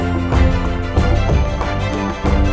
untuk memperoleh video ini